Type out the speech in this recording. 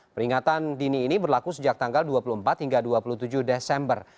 peringatan dini ini berlaku sejak tanggal dua puluh empat hingga dua puluh tujuh desember